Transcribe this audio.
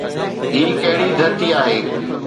هي ڪهڙي ڌرتي آهي؟